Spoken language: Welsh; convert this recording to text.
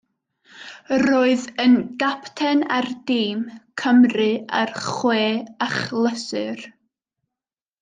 Roedd yn gapten ar dîm Cymru ar chwe achlysur.